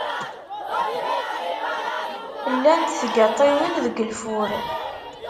Llant tgaṭiwin deg lfur.